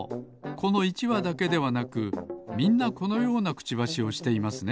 この１わだけではなくみんなこのようなクチバシをしていますね。